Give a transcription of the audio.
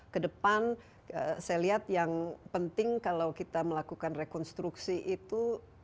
kedepan saya lihat yang penting kalau kita melakukan rekonstruksi itu